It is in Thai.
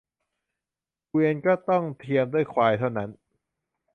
เกวียนก็ต้องเทียมด้วยควายเท่านั้น